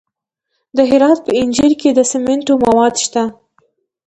د هرات په انجیل کې د سمنټو مواد شته.